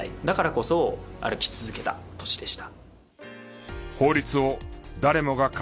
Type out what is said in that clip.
だからこそ歩き続けた年でした。